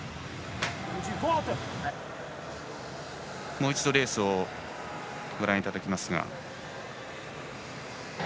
もう一度レースをご覧いただきます。